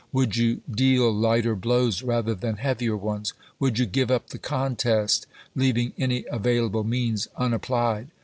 Would you deal lighter blows rather than heavier ones ? Would you give up the contest, leaving any available means unap plied